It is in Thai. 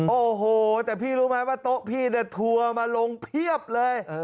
โอ้โหแต่พี่รู้ไหมว่าโต๊ะพี่เนี่ยทัวร์มาลงเพียบเลย